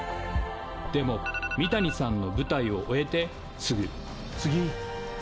でも三谷さんの舞台を終えてすぐ